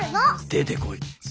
出てこい。